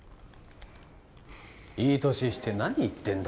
いい歳して何言ってんだ？